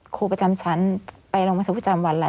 ครูประจำชั้นไปลงบันทึกประจำวันแหละ